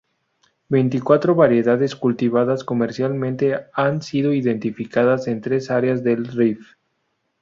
Veinticuatro variedades cultivadas comercialmente han sido identificadas en tres áreas del Rif.